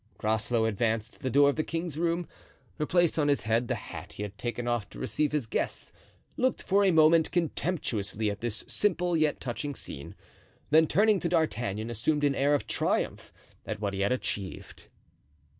Groslow advanced to the door of the king's room, replaced on his head the hat he had taken off to receive his guests, looked for a moment contemptuously at this simple, yet touching scene, then turning to D'Artagnan, assumed an air of triumph at what he had achieved.